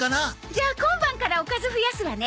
じゃあ今晩からおかず増やすわね